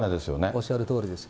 おっしゃるとおりです。